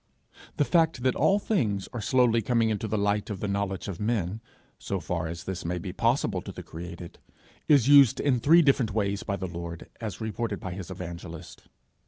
The fact that all things are slowly coming into the light of the knowledge of men so far as this may be possible to the created is used in three different ways by the Lord, as reported by his evangelist.